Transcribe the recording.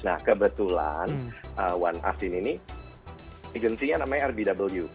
nah kebetulan satu a sini nih negasinya namanya rbw